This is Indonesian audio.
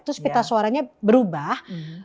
terus pita suaranya berubah